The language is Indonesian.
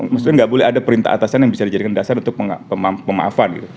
maksudnya nggak boleh ada perintah atasan yang bisa dijadikan dasar untuk pemaafan gitu